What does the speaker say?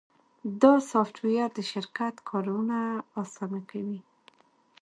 دا سافټویر د شرکت کارونه اسانه کوي.